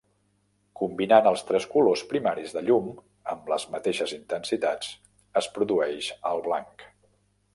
Combinant els tres colors primaris de llum amb les mateixes intensitats, es produeix el blanc.